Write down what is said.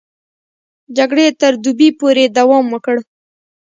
جګړې تر دوبي پورې دوام وکړ.